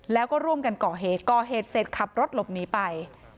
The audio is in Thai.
แล้วก็ร่วมกันก่อเหตุก่อเหตุเสร็จขับรถหลบหนีไป